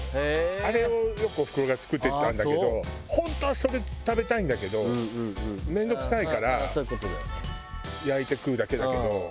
あれをよくおふくろが作ってたんだけど本当はそれ食べたいんだけど面倒くさいから焼いて食うだけだけど。